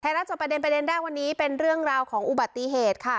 รับจอบประเด็นประเด็นแรกวันนี้เป็นเรื่องราวของอุบัติเหตุค่ะ